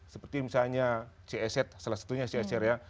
seperti misalnya csr salah satunya csr ya